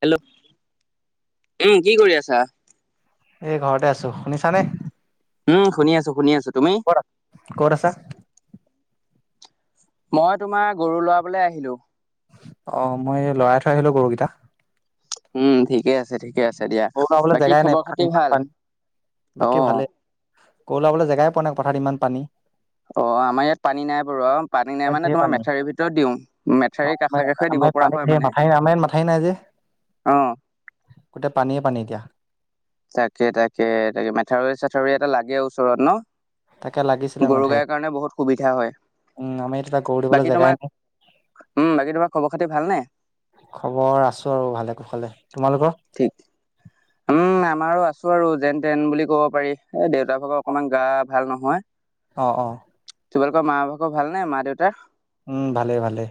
Hello. উম, কি কৰি আছা? এ ঘৰতে আছো। শুনিছানে? উম শুনি আছো। শুনি আছো। তুমি কৰা। ক'ত আছা? মই তোমাৰ গৰু লৰাবলৈ আহিলো। অহ' মই লৰাই থৈ আহিলোঁ গৰুকেইটা। উম ঠিকে আছে ঠিকে আছে দিয়া, গৰু লৰাবলৈ বাকী জেগাই নাই খবৰ পথাৰত খাতি ইমান ভাল? পানী অ বাকী ভালেই, কলাবলে জেগাই পোৱা নাই পথাৰত ইমান পানী। অ আমাৰ ইয়াত পানী নাই বাৰু, পানী নাই আমাৰ মানে ঢেৰ তোমাৰ পানী মেথাউৰিৰ ভিতৰত দিওঁ মেথাৰিৰ কাষে কাষে দিম। পানীত সেই মাথাই নাই আমাৰ মাথাই নাই যে। অ পানীয়ে পানী এতিয়া। তাকে, তাকে, তাকে, মেথাউৰি চাথৰি এটা লাগে, ওচৰত ন। তাকে লাগিছিলে গৰু মাথাউৰিত গাইৰ কাৰণে বহুত সুবিধা হয়। উম আমাৰ ইয়াত এতিয়া গৰু দিবলৈ বাকী জেগাই তোমাৰ? নাই উম'। বাকী তোমাৰ খবৰ খাতি ভালনে? খবৰ আছো আৰু ভালে কুশালে, তোমালোকৰ? ঠিক উম আমাৰো আছো আৰু যেন তেন বুলি ক'ব পাৰি এ দেউতা ভাগৰ অকনমান গা ভাল নহয়। অ অ। তোমালোকৰ মা ভাগ ভাল নে মা দেউতাৰ? উম ভালে ভালে।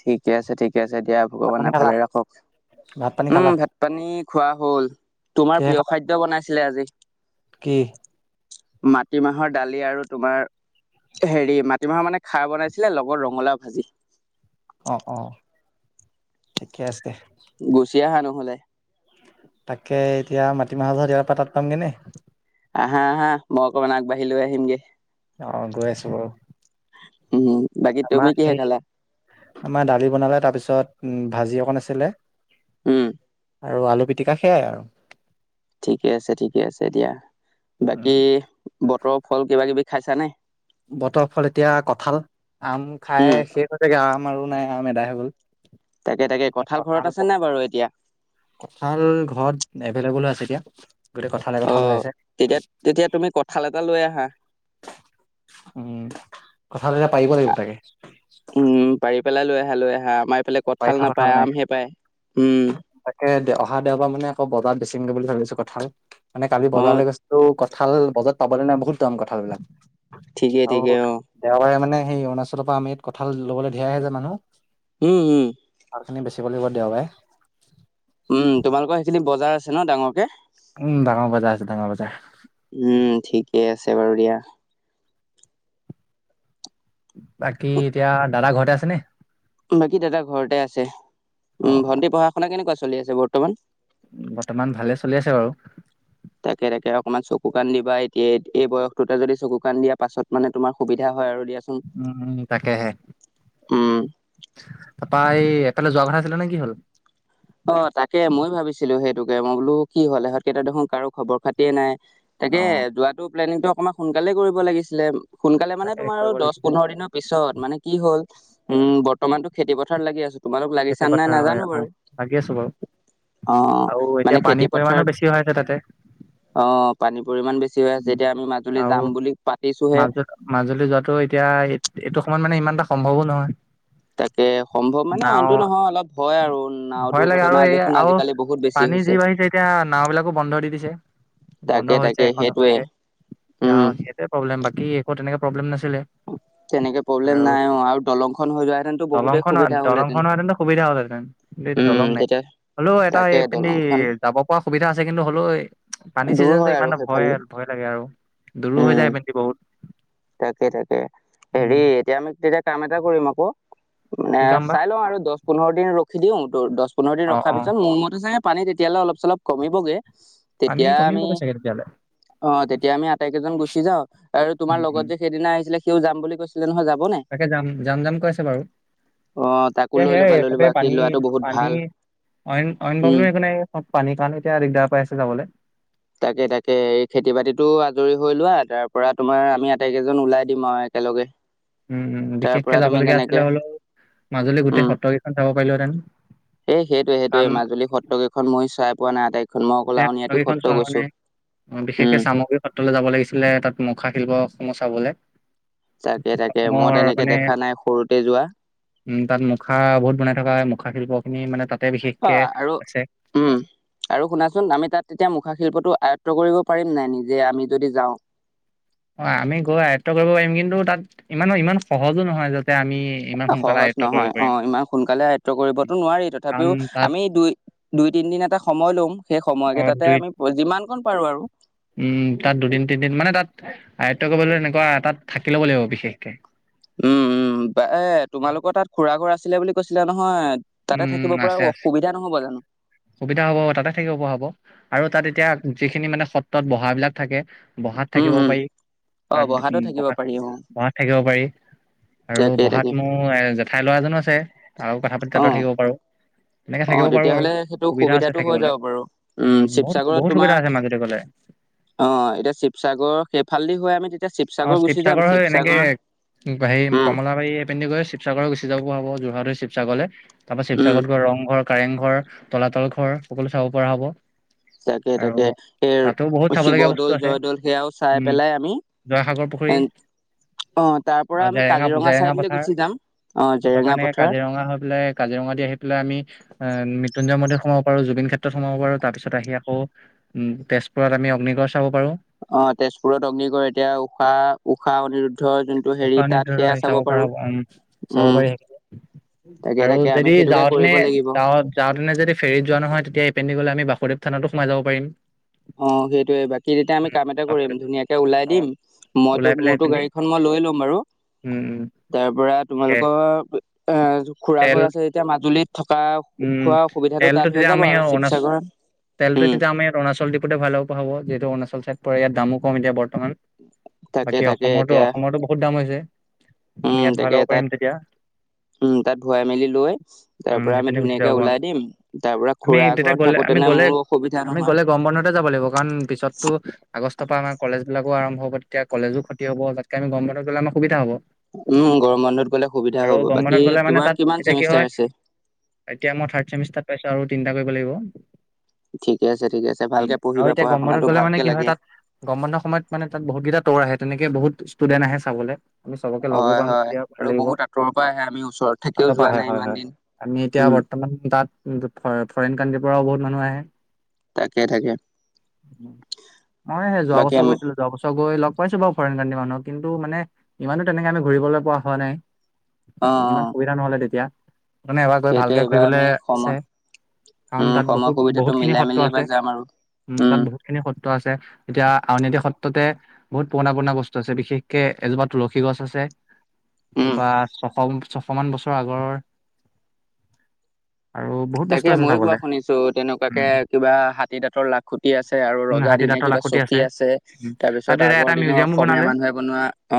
ঠিকে আছে ঠিকে আছে দিয়া ভগৱানে খালা ভালে ৰাখক। ভাত পানী উম খালা ভাত পানী খোৱা হল তোমাৰ কিহে প্ৰিয় খালা খাদ্য বনাইছিলে আজি। কি মাটিমাহৰ দালি আৰু তোমাৰ। হেৰি মাটিমাহৰ মানে খাৰ বনাইছিলে লগৰ ৰঙালাও ভাজি। অ অ ঠিকে আছে। গুচি আহা নহ'লে। তাকে এতিয়া মাটিমাহ ঘত এয়া পা তাত পামগে নে। আহা আহা মই অকমান আগবাঢ়ি লৈ আহিমগে। অহ গৈ আছো ৰ। উম। বাকী তুমি আমাৰ কিহে সেই খালা আমাৰ দালি বনালে তাৰপিছত ভাজি অকণ আছিলে। উ। আৰু আলু পিটিকা সেইয়াই আৰু। ঠিকে আছে ঠিকে আছে দিয়া। উম বাকী বতৰৰ ফল কিবা কিবি খাইছা নে? বতৰ ফল এতিয়া কঠাল আম উম খাই শেষ হৈছে গে, আম আৰু নাই আম এদাই হৈ গ'ল। তাকে তাকে কঁঠাল ঘৰত আছে নাই বাৰু এতিয়া? কঁঠাল ঘৰত এভেলেবল হৈ আছে এতিয়া। গোটেই কঁঠালে অ কঁঠাল হৈ আছে। তেতিয়া তেতিয়া তুমি কঁঠাল এটা লৈ আহা উম কঁঠাল এতিয়া পাৰিব লাগিব তাকে। উম পাৰি পেলাই লৈ আহা লৈ আহা আমাৰ এইফালে পাৰি কঁঠাল থোৱা নাপায় নাই আমহে পায়। উম। তাকে অহা দেওবাৰ মানে আকৌ বজাৰ বেচিমগে বুলি ভাবিছো কঁঠাল মানে কালি অ বজাৰলৈ গৈছিলো কঁঠ ঠাল বজাত পাবলে নাই বহুত দাম কঁঠাল বিলাক ঠিকেই আও ঠিকেই অ দেওবাৰে মানে সেই অৰুণাচলৰ পৰা আমি ইয়াত কঠাল ল'বলে ধেৰ আহে যে মানুহ উম উম কঁঠালখিনি বেছিব লাগিব দেওবাৰে উম তোমালোকৰ সেইখিনিত বজাৰ আছে ন ডাঙৰকে উম ডাঙৰ বজাৰ আছে ডাঙৰ বজাৰ উম ঠিকে আছে বাৰু দিয়া বাকী এতিয়া দাদা ঘৰতে আছে নে? বাকী দাদা ঘৰতে আছে। অ', উম অ', ভন্টি পঢ়া শুনা কেনেকুৱা চলি আছে বৰ্তমান বৰ্তমান ভালে চলি আছে বাৰু তাকে তাকে আও অকণমান চকু কাণ দিবা এতিয়া এই বয়সটোতে যদি চকু কাণ দিয়া পাছত মানে তোমাৰ সুবিধা হয় আৰু দিয়াচোন উম উম তাকেহে উম তাপা এই এফালে যোৱা কথা আছিলে নহয় কি হল অ তাকে ময়ো ভাবিছিলো সেইটোকে মই বোলো কি হ'ল এহঁতকেইটা দেখোন কাৰো খবৰ খাতিয়ে নাই তাকে অ', যোৱাতো প্লেনিংটো অকমান সোনকালে কৰিব লাগিছিলে সোনকালে মানে তাকে তোমাৰ কৰিব দশ লাগিছিলে পোন্ধৰ দিনৰ পিছত মানে কি হ'ল উম বৰ্তমানতো খেতি পথাৰত লাগি আছো তোমালোক খেতি লাগিচান নাই পথাৰ হয়, নাজানো হয় বাৰু লাগি আছো বাৰু অ আৰু মানে এতিয়া খেতি পানীৰ পথাৰত পৰিমাণো বেছি হয় আছে তাতে অ পানীৰ পৰিমাণ বেছি হৈ আছে উম, এতিয়া আমি মাজুলী আৰু যাম বুলি পাতিছোহে মাজু মাজুলী যোৱাটো এতিয়া এ এইটো সময়ত মানে ইমান এটা সম্ভৱো নহয় তাকে সম্ভৱ মানে নাও অইনটো নহয় অলপ ভয় আৰু নাও ভয় লাগে আৰু দুৰ্ঘটনা এই দেখোন আৰু আজিকালি বহুত বেছি পানী যি হৈছে বাঢ়িছে এতিয়া নাও বিলাকো বন্ধ দি দিছে বন্ধ তাকে হৈছে তাকে এখন সেইটোৱে দুখনকে এতিয়া উম আও সেইটোৱে প্ৰব্লেম বাক কি একো তেনেকে প্ৰব্লেম নাছি তেনেকে প্ৰব্লেম নাই অঁ আৰু দলং খন হৈ যোৱা হেতেনতো বহুতে দলংখন সুবিধা। হ'লহেঁতেন দলংখন হোৱাহেতেনটো সুবিধা হ'লহেঁতেন কিন্তু, এতিয়া দলং উম নাই। তেতিয়া হলেও এটা তাকে এই পিনদি দলংখন যাব পৰা সুবিধা আছে, কিন্তু হলেও পানী দূৰ চিজনটো হয় আৰু ইমানটা ভয়। সেইফালে ভয় লাগে আৰু দূৰো হৈ উম যায় এইপিনেদি বহুত। তাকে তাকে উম হেৰি এতিয়া আমি, তেতিয়া কাম এটা কৰিম আকৌ। মানে কি কাম বা চাই লওঁ আৰু দশ পোন্ধৰ দিন ৰখি দিওঁ, দশ পোন্ধৰ দিন অ ৰখাৰ অ পিছত মোৰ মতে চাগে পানী তেতিয়ালে অলপ চলপ কমিবগৈ। পানী কমিব গৈ চাগে তেতিয়ালে। অ তেতিয়া আমি আটাইকেইজন গুচি যাওঁ, আৰু তোমাৰ উম লগত উম যে সেইদিনা আহিছিলে, সিও যাম বুলি কৈছিল। তাকে যাম যাম যাম কৈ আছে বাৰু। অ তাকো এ লৈ সেয়াই, ল'বা লৈ চবে ল'বা সি পানী ল'ৰাটো বহুত পানী ভাল অইন অইন উম প্ৰব্লেম একো নাই পানীৰ কাৰণে এতিয়া দিগদাৰ পাই আছো যাবলৈ। তাকে তাকে এই খেতি বাতিতো আজৰি হৈ লোৱা, তাৰ পৰা তোমাৰ আমি আটাইকেইজন ওলাই দিম আৰু এক। একেলগে। উম উম, তাৰ বিশেষকে পৰা তুমি যাবলগীয়া তেনেকে আছিলে হ'লেও মাজুলী গোটেই সত্ৰকেইখন চাব পাৰিলোহেতেন। সেই সেইটোয়ে সেইটোয়ে মাজুলী সত্ৰকেইখন মই চাই পোৱা নাই আটাইক তেওঁক ফটোকিখন চোৱাওনে। উম, বিশেষকে চামুগুৰি সত্ৰলৈ যাব লাগিছিলে, তাত মুখা শিল্পসমূহ চাবলে। তাকে তাকে, মই অসমৰ তেনেকে মানে দেখা নাই সৰুতে যোৱা। উম তাত মুখা বহুত বনাই থকা হয়। মুখা শিল্প খিনি মানে তাতে অ বিশেষকে আৰু আছে। [inaudible] উম আৰু শুনাচোন, আমি তাত তেতিয়া মুখাশিল্পটো আয়ত্ব কৰিব পাৰিম নাই, নিজে আমি যদি যাওঁ। অ আমি গৈ আয়ত্ব কৰিব পাৰিম কিন্তু তাত ইমানো ইমান সহজো নহয় যে এ সহজ নহয় অ ইমান সোনকালে আয়ত্ব কৰিবতো নোৱাৰি কাৰণ তথাপিও তাত আমি দুই দু দুই তিনদিন এটা সময় লম সেই সময় অ কেইটাতে দুই আমি যিমান কণ পাৰো আৰু উম তাত দুদিন তিনিদিন মানে তাত আয়ত্ব কৰিবলৈ এনেকুৱা তাত থাকি ল'ব লাগিব বিশেষকে উম উম এ তোমালোকৰ তাত খুৰা ঘৰ আছিলে বুলি কৈছিলা নহয় তাতে থাকিব উম পৰা আছে আছে অসুবিধা নহব জানো সুবিধা হ'ব তাতে থাকিব পৱা হব আৰু তাত এতিয়া যিখিনি মানে সত্ৰত বহা বিলাক থাকে বহাত উম থাকিব হম পাৰি অ তাত বহাতো থাকিব বহাত পাৰি অ বহাত থাকিব পাৰি আৰু তাকে বহাত তাকে মোৰ জেঠাই লৰা এজনো আছে আও কথা পাতি অ তাততো থাকিব পাৰো অ তেতিয়াহ'লে সেইটো আছে সুবিধাটো হৈ থাকিবলে। যাব পাৰো উম বহুত শিৱসাগৰত বহুত তোমাৰ সুবিধা আছে মাজুলী গ'লে। অ এতিয়া শিৱসাগৰ সেইফালেদি হৈয়ে আমি তেতিয়া শিৱসাগৰ গুচি যাম শিৱসাগৰ গৈ আহিম উম কমলাবাৰী এ পিনে গৈ শিৱসাগৰ হৈ গুচি যাব পৱা হব যোৰ হাট হৈ শিৱসাগৰলে তাপা উম শিৱসাগৰত গৈ ৰংঘৰ কাৰেং ঘৰ তলাতল ঘৰ সকলো চাব পৰা হ'ব তাকে আৰু তাকে এই তাতো বহুত চাবলগীয়া বস্তু শিৱদ'ল আছে। জয়দৌল সেয়াও চাই উম, পেলাই আমি জয়সাগৰ পুখুৰী এন- অ তাৰ পৰা আমি জেৰেঙা কাজিৰঙা জেৰেঙা চাইডলৈ পথাৰ গুচি যাম অ জেৰেঙা তাপা এনেকে পথাৰ কাজিৰঙা হৈ পেলাই কাজি কাজিৰঙা দি আহি পেলাই আমি মৃত্যুঞ্জয় মন্দিৰত সোমাব পাৰো জুবিন ক্ষেত্ৰত সোমাব পাৰো তাৰ পিছত আহি আকৌ তেজপুৰত আমি অগ্নিগড় চাব পাৰোঁ অ তেজপুৰত অগ্নিগড় এতিয়া ঊষা ঊষা অনিৰুদ্ধ ৰ যোনটো উষা হেৰি অনিৰুদ্ধ তাত সেয়া চাব পৰা পাৰো চাব উম পাৰি তাকে আৰু তাকে আমি যদি সেইটোকে যাওঁতেনে কৰিব লাগিব যাওঁ যাওঁতেনে যদি ফেৰিত যোৱা নহয় তেতিয়া এইপিনদি গলে আমি ব সুদেৱ থানতো সোমাই যাব পাৰিম অ সেইটোয়ে বাকী তেতিয়া আমি উম কাম এটা কৰিম বাসুদেৱ ধুনীয়াকে ওলাই অ দিম মইতো ওলাই পেলাই মোৰতো এইপিনেদি গাড়ীখন মই লৈ লম বাৰু উম উম তাৰ পৰা তাকে তোমালোকৰ এ খুৰা ঘৰ তেল আছে যেতিয়া মাজুলীত থকা উম খোৱা সুবিধাটো তাত তেলটো হৈ তেতিয়া যাব আমি আৰু অৰুণাচ শিৱসাগৰ তেলটো উম তেতিয়া আমি অৰুণাচল দি তে ভাল হ প হাব যিহেত অৰুণাচলাই পৰে ইাত দামো কম [inaudible] এতিয়া বৰ্তমান তাকে বাকী তাকে অসমৰতো এতিয়া অসমৰটো বহুত দাম হৈছে আমি উম ইয়াত ভৰাই তাকে ল'ব তাত পাৰিম তেতিয়া উম তাত ভুৱাই মেলি লৈ তাৰ উম পৰা আমি সেইপিনে যাব ধুনীয়াকে পাৰোঁ ওলাই দিম তাৰ পৰা আমি খুৰা তেতিয়া ঘৰত গলে আমি থাকোতেনে গলে মোৰো অসুবিধা আমি নহয় গলে গম বন্ধতে যাব লাগিব কাৰণ পিছততো আগষ্টৰ পৰা আমাৰ কলেজ বিলাক আৰম্ভ হ'ব তেতিয়া কলেজো খতি হ'ব তাতকে আমি গৰম বন্ধত গ'লে আমাৰ সুবিধা হ'ব উম গৰম বন্ধত গলে সুবিধা আৰু হ'ব গৰম বাকী বন্ধত গ'লে মানে তাত তোমাৰ কিমান এতিয়া কি হয় চেমিষ্টাৰ আছে এতিয়া মই থাৰ্ড চেমিষ্টাৰত পাইছো আৰু তিনিটা কৰিব লাগিব উম ঠিকে আছে ঠিকে আছে ভালকে আৰু পঢ়িবা এতিয়া পঢ়া গম বন্ধত শুনাটো গ'লে মানে ভালকে কি হয় লাগে তাত গম বন্ধৰ সময়ত মানে তাত বহুত কেইটা তৌৰ আহে তেনেকে বহুত ষ্টুডেন্ট আহে চাবলৈ আমি চবকে লগো হয় পাম হয় তেতিয়া ভাল আৰু লাগিব বহুত আঁতৰৰ পৰা আহে আমি ওচৰত হাত থাকিও পৰা যোৱা আহে নাই হয় ইমান হয় দিন আমি এতিয়া উম বৰ্তমান তাত ফৰেইন কাণ্ট্ৰিৰ পৰাও বহুত মানুহ আহে অ তাকে তাকে মই হেই যোৱা বাকী বছৰ আমি গৈছিলো যোৱা বছৰ গৈ লগ পাইছো বাৰু ফৰেন কানট্ৰি মানুহ কিন্তু তামানে ইমানো তেনেকে আমি ঘূৰিবলৈ পোৱা হোৱা নাই অ অ ইমান সুবিধা নহলে তেতিয়া মানে এবাৰ গৈ সেইটোৱে ভালকে এইবাৰ ঘুৰিবলে আমি সময় আছে কাৰণ উম তাত সময় বহুত সুবিধাটো বহুত খিনি মিলাই মেলি সত্ৰ এবাৰ আছে যাম আৰু উম তাত বহুত খিনি সত আছে এতিয়া আউনীআটী সত্ৰতে বহুত পুৰণা পুৰণা বস্তু আছে বিশেষকে এজোপা তুলসী গছ আছে উম তোপা ছশ ছশ মান বছৰ আগৰ তাকে আছে ময়ো কোৱা চাবলে। শুনিছো তেনেকুৱাকে উম, কিবা হাতী দাঁতৰ লাখুটি আছে আৰু উম, ৰজা হাতী দি দাঁতৰ কিবা লাখুটি চকী আছে উম, তাৰ তাত পিছত এতিয়া আগৰ এটা দিনৰ মিউজিয়ামো অসমীয়া বনালে মানুহে বনোৱা অ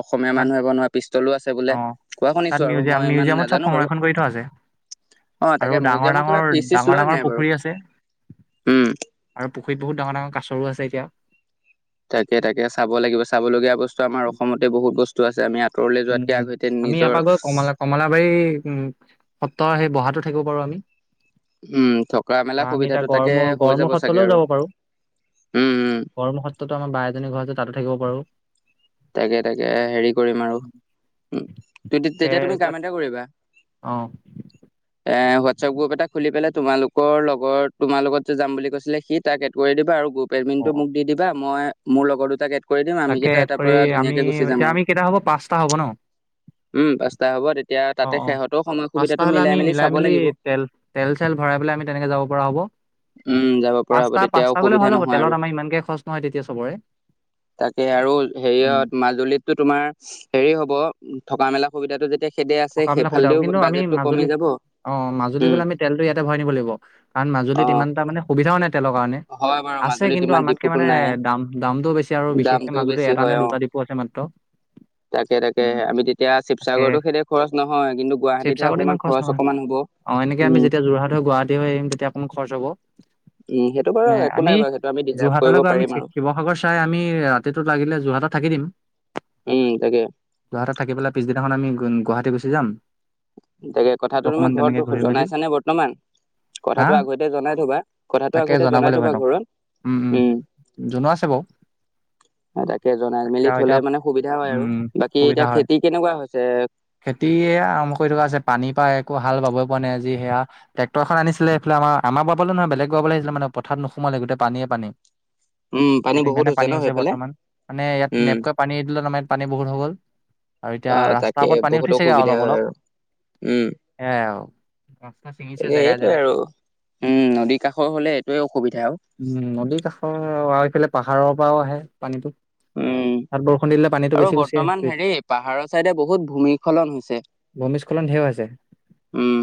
অসমীয়া মান তাত নহ পিষ্টলো আছে বোলে অ', কোৱা তাত শুনিছো আৰু মিউজিয়াম মই ইমান মিউজিয়ামত চব নাজানো বাৰু সংৰক্ষণ কৰি থ আছে অ আৰু তাকে ডাঙৰ মিউজিয়ামৰ কিবা ডাঙৰ ফিজ চিজ ডাঙৰ লয় ডাঙৰ নাই বাৰু পুখুৰী আছে উম আৰু পুখুৰীত বহুত ডাঙৰ ডাঙৰ কাছৰো আছে এতিয়া তাকে তাকে চাব লাগিব চাবলীয়া বস্তু আমাৰ অসমতে বহুত বস্তু আছে আমি ই উম আমি ইয়াৰপা গৈ কমলা কমলাবাৰী উম সপ্তাহৰ সেই বহাটো থাকিব পাৰো আমি উম থকা মেলা অ আমি এতিয়া সুবিধাটো তাকে গৰমূৰ হৈ যাব গৰমূৰ চাগে সত্ৰলৈও আৰু যাব পাৰো উম উম গৰ্মুৰ সত্ৰতো আমাৰ বাই এজনী ঘৰতে তাতো থাকিব পাৰো তাকে তাকে হেৰি কৰিম আৰু তাকে তেতিয়া তুমি কাম এইবিলাক এটা কৰিবা অ হোৱাটছআপ গ্ৰুপ এটা খুলি পেলাই তোমালোকৰ লগৰ তোমাৰ লগত যে যাম বুলি কৈছিলে সি তাক এড কৰি দিবা আৰু গ্ৰুপ অ পেমেণ্টটো মোক দি দিবা মই মোৰ লগৰ দুটাক এড কৰি দিম আমি তাকে কেইটা এড এটা আমি এতিয়া আমি কেইটা হ'ব পাঁচটা হ'ব ন উম পাঁচটা হ'ব তেতিয়া অ তাতে অ সিহঁতৰো সময় পাঁচটা সুবিধাটো হলে আমি মিলাই চাব মেলি লাগিব তেল তেল চেল ভৰাই পেলাই আমি তেনেকে যাব পৰা হ'ব উম যাব পৰা হ'ব পাঁচটা তেতিয়া পাঁচটা গ'লে ভাল অসুবিধা হ'ব নহয় আৰু তেলত আমাৰ ইমানকে খৰচ নহয় তেতিয়া চবৰে তাকে আৰু সেই উম মাজুলীততো তোমাৰ হেৰি হ'ব থকা মেলা সুবিধাটো যেতিয়া খেদে আছে থকা মেলা সুবিধা হব সেইফালেদিও কিন্তু আমি বাজেটটো কমি মাজুলী যাব অ মাজুলী উম গলে আমি তেলতটো ইয়াতে ভৰাই নিব লাগিব কাৰণ অ মাজুলীত ইমান এটা মানে সুবিধাও নাই তেলৰ কাৰণে হয় বাৰু আছে মাজুলীত কিন্তু ইমান আমাতকে ডিপুটো মানে নাই দাম দামটো বেছি আৰু বিশেষকে দামটোও মাজুলী বেছি এ হয়। অ। তাকে তাকে উম। আমি তেতিয়া তাকে শিৱসাগৰতো খেই খৰচ নহয়। কিন্তু গুৱাহাটীতহে শিৱসাগৰতো অকণমান ইমান খৰচ নহয় অকনমান হ'ব। অ এনেকে আমি উম যেতিয়া যোৰহাট হৈ গুৱাহাটী হৈ আহিম তেতিয়া অকণ খৰচ হব। উম সেইটো বাৰু মানে একো আমি নাই বাৰু সেইটো আমি ডিজাৰ্ভ কৰিব যোৰহাটলৈ গৈ আমি পাৰিম আৰু শিৱসাগৰ চাই আমি ৰাতিটো লাগিলে যোৰহাটত থাকি দিম। উম তাকে যোহাটত থাকি পেলাই পিছদিনাখন আমি গুৱাহাটী গুচি যাম। তাকে কথাটো তুমি অকমান তেনেকে ঘৰত ঘূৰি মেলি জনাইছানে বৰ্তমান হা কথাাটো আগতে জনাই থবা কথাটো তাকে আগতে জনাব জনাই লাগিব থবা সিহঁতক ঘৰত উম উম জনোৱা আছে বাৰ তাকে জনাই মেলি থলে মানে সুবিধা হয় আৰু উম, বাকী এতিয়া খেতি কেনেকুৱা হৈছে খেতিয়ে আৰম্ভ কৰি থকা আছে পানী পাই একো হাল বাবই পোৱা নাই আজি সেয়া ট্ৰেক্টৰ খন আনিছিলে সেইফালে আমাৰ আমাৰ বাবলৈ নহয় বেলেগ বাবলৈ আহিছিলে মানে পথত নোসোমালে গোটেই পানীয়েে পানী উম পানী ইয়তে বহুত ইমানে পানী ন হৈছে সেইফালে বৰ্তমান মানে ইয়াত উম নেপক'ৱে পানী এৰি দিলত আমাৰ ইয়াত পানী বহুত হৈ গ'ল আৰু অ এতিয়া তাকে ৰাস্তাৰ ওপৰত পানী বহুত উঠিছেগে অসুবিধা অলপ হয় অলপ আৰু উম সয়াই আৰু। ৰাস্তা চিঙিছে তাকে জগায় এইটোৱে জগাই। আৰু উম নদীৰ কাষৰ হলে এইটোৱে অসুবিধা আৰু উম। নদীৰ কাষৰফালে পাহাৰৰ পৰাও আহে পানীটো উম তাত বৰষুণ দিলে পানীটো আৰু বেছি গুচি বৰ্তমান আহছ হেৰি পাহাৰৰ চাইডে বহুত ভূমিস্খলন হৈছে ভূমিস্খলন ঢেৰ হৈছে। উম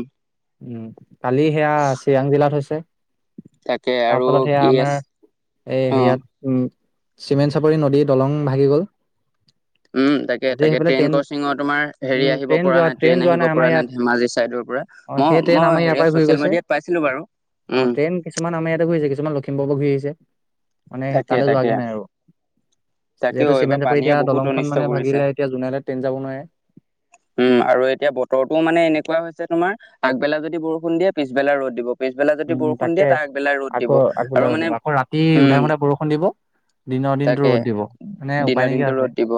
উ কালি সেয়া চিৰাং জিলাত হৈছে। তাকে তাৰ আৰু ফলত সেয়া কি আমাৰ আছ এই অ হেৰিয়াত উম। চিমেণ্ট চাপৰি নদীৰ দলং ভাগি গল। উম। তাকে আজি তাকে সেইফালে ট্ৰেইন ক্ৰচিং তোমাৰ হেৰি উম আহিব ট্ৰেইন পৰা যোৱা নাই, ট্ৰেইন যোৱা আহিব আমাৰ পৰা ইয়াত নাই। ধেমাজি চাইদৰ পৰা। অ মই সেই ট্ৰেইন আমাৰ ইয়াৰ মই পৰাই ঘূৰি চ গৈছে য়াত পাইছিলো বাৰু। অ উম ট্ৰেইন কিছুমান আমাৰ ইয়াতে ঘূৰিছে, কিছুমান লখিমপুৰৰ পৰা ঘূৰি আহিছে। মানে তাকে তালৈ তাকে যোৱাগে নাই আৰু। তাকেও যিহেতু এইবাৰ চিমেণ্ট চাপাৰি পানীয়ে এতিয়া বহুত দলংখন অনিষ্ট মানে কৰিছে ভাগিলে, এতিয়া যোনেলে টেইন যাব নোৱাৰে। উম আৰু এতিয়া বতৰটোও মানে এনেকুৱা হৈছে তোমাৰ আগবেলা যদি বৰষুণ দিয়ে পিছবেলা ৰ'দ দিব। পিছবেলা যদি উম বৰষুণ দিয়ে তাকে তাৰ আগবেলাই ৰ'দ দিব। আকৌ আগবেলা আৰু দিব মানে আকৌ ৰাতি উধাই উম। মুধাই বৰষুণ দিব দিনৰ দিনটো তাকে ৰ'দ দিব মানে উপায় দিনৰ নাইকিয়া দিনতটো ৰ'দ দিব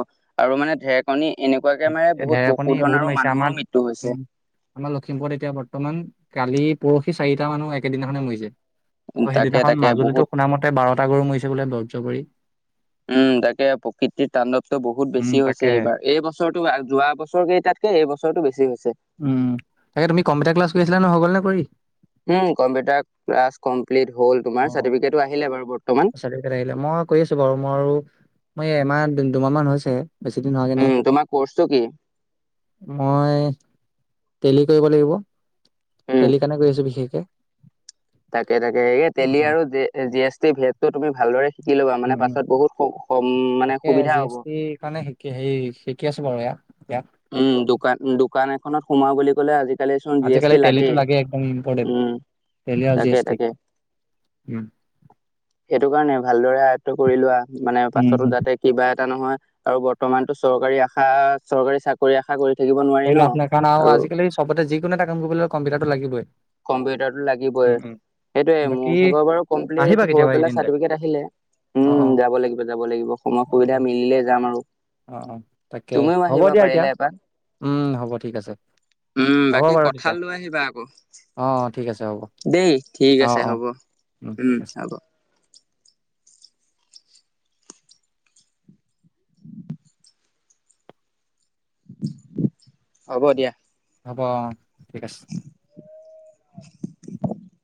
আৰু মানে ঢেৰেকণী এনেকুৱাকে মাৰে বহুত ঢেৰেকনি পশুধন বহুত আৰু মাৰিছে। মানুহৰো আমাৰ মৃত্যু হৈছে উম। আমাৰ লখিমপুৰত এতিয়া বৰ্তমান কালি পৰহি চাৰিটা মানো একেদিনাখনে মৰিছে আকৌ তাকে সেইদিনাখন তাকে মাজুলীতো বহুত শুন মতে বাৰটা গৰু মৰিছে বোলে বৰ্জ্য পৰি। উম। তাকে প্ৰকৃতিৰ তাণ্ডৱটো বহুত উম বেছি হৈছে তাকেহে। এইবাৰ। এই বছ বছ যোৱা বছৰ কেইটাতকে এই বছৰটো বেছি হৈ উম। তাকে তুমি কম্পিউটাৰ ক্লাছ কৰিছিলা ন হৈ গ'ল নে কৰি? উম। কম্পিউটাৰ ক্লাছ কমপ্লিট হ'ল তোমাৰ অ'। চাৰ্টিফিক আহিলে বাৰু বৰ্তমান। চাৰ্টিফিকেট আহিলে মই কৰি আছো বাৰু মই মই এমাহ দুমাহ মান হৈছে। বেছি দিন হোৱাগৈ নাই উম তোমাৰ কৰ্চটো কি নাই তেলি কৰিব লাগিব। উম তেলি কাৰণে কৰি আছো বিশেষকে তাকে তাকে সে তেলি আৰু জি এছ টি ভেদটো তুমি ভালদৰে শিকি ল'বা। মানে পাছত বহুত মানে তাকে জি সুবিধা হব। এছ টিৰ কাৰণে শিকি হেৰি শিকি আছো বাৰু এয়া। ইয়াত উম। দোকান দোকান এখনত সোমাও বুলি ক'লে আজি কালি চোন জি এছ আজিকালি টি লাগে। টেলিটো একদম ইম্পৰ্টেণ্ট উম। টেলি আৰু জি তাকে এছ টি। তাকে সেইটো কাৰণে ভালদৰে আয়ত্ব কৰি লোৱা, মানে উম। পাছতো যাতে কিবা এটা নহয় আৰু বৰ্তমানতটো চৰকাৰী আশা চৰকাৰী চাকৰি আশা কৰি থাকিব নোৱাৰি কৰি ন লাভ নাই। কাৰণ আৰু আজিকালি চবতে যিকোনো এটা কাম কৰিব লাগ কম্পিউটাৰতটো লাগিবই। কম্পিউটাটো লাগিবই, উম উম সেইটোয়ে মোৰ বাকী ভাগৰ বাৰু আহিবা কমপ্লিট হৈ কেতিয়াবা পেলাই এইকেইদিনতে। চাৰ্টিফিকেট আহিলে। অ', উম। অ', যাব লাগিব, যাব লাগিব সময় অ', সুবিধা অ', মিলিলে যাম আৰু অ অ তাকে তুমিও হ'ব আহিবা দিয়া এতিয়া। পাৰিলে এপাক উম হ'ব ঠিক আছে। উম, অ', বাকী কঠাল লৈ আহিবা আকৌ। অ ঠিক আছে হ'ব দেই ঠিক অ', আছে অ', হ'ব উম ঠিক আছে হব। হ'ব দিয়া। হ'ব অ', ঠিক আছে। [unintelligible]